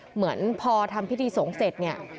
เหมือนพอทำพิธีสงฆ์เสร็จเนี่ย